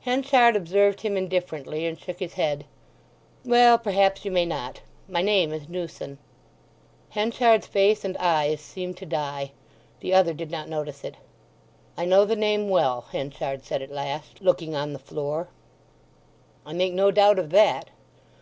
Henchard observed him indifferently, and shook his head. "Well—perhaps you may not. My name is Newson." Henchard's face and eyes seemed to die. The other did not notice it. "I know the name well," Henchard said at last, looking on the floor. "I make no doubt of that.